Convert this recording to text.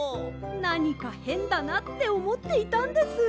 なにかへんだなっておもっていたんです。